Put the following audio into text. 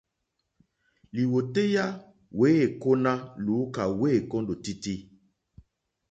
Lìwòtéyá wèêkóná lùúkà wêkóndòtítí.